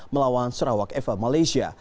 melawan sarawak fa malaysia